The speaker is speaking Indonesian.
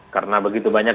karena begitu banyak